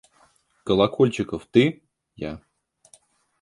Колокольчиков, ты? – Я.